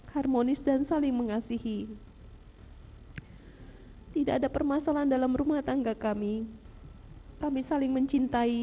herman sebagai apa bapak eco